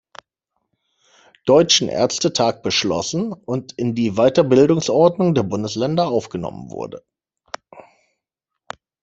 Deutschen Ärztetag beschlossen und in die Weiterbildungsordnung der Bundesländer aufgenommen wurde.